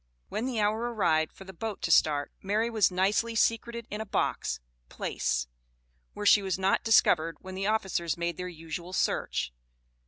When the hour arrived for the boat to start, Mary was nicely secreted in a box (place), where she was not discovered when the officers made their usual search.